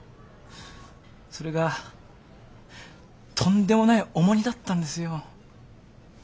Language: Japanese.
それがとんでもない重荷だったんですよ。